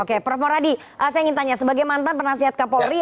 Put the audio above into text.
oke prof moradi saya ingin tanya sebagai mantan penasihat kapolri